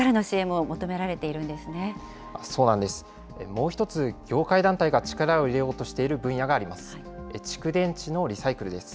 もう一つ、業界団体が力を入れようとしている分野があります。